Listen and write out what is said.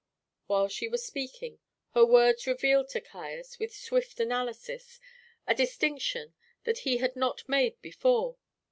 While she was speaking, her words revealed to Caius, with swift analysis, a distinction that he had not made before.